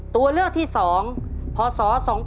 ตัวเลือกที่๒พศ๒๕๖